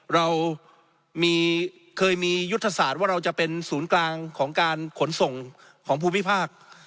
เราเคยมียุทธศาสตร์ว่าเราจะเป็นศูนย์กลางของการขนส่งของภูมิภาค